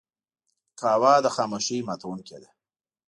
قهوه د خاموشۍ ماتونکی دی